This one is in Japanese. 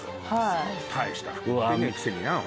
大した服売ってねえくせにな。